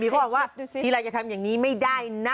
มีบัวว่าพิลัยจะทำแบบนี้ไม่ได้นะ